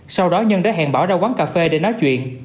sau đó nhân đã hẹn bỏ ra quán cà phê để nói chuyện